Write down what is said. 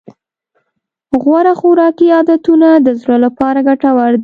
غوره خوراکي عادتونه د زړه لپاره ګټور دي.